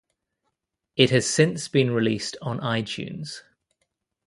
It has since been released on iTunes.